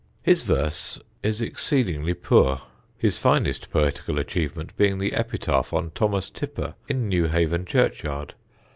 His verse is exceedingly poor, his finest poetical achievement being the epitaph on Thomas Tipper in Newhaven churchyard.